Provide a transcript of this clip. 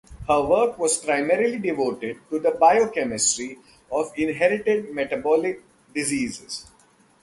Her work was primarily devoted to the biochemistry of inherited metabolic diseases.